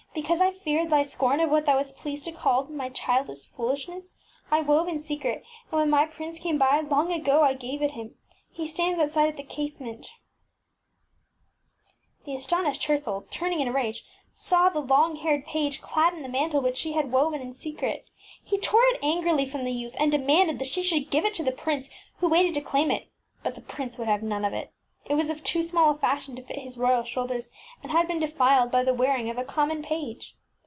Because I feared thy scorn of what thou wast pleased to call my childish foolishness, I wove in secret, and when my prince came by, long ago I gave it him. He stands outside at the case ment. ŌĆÖ title tlfitee flflieabn# The astonished Her thold, turning in a rage, saw the long haired page clad in the mantle which she had woven in secret. He tore it angrily from the youth, and demanded she should give it to the prince, who waited to claim it, but the prince would have none of it. It was of too small a fashion to fit his royal shoulders, and had been defiled by the wearing of a common page.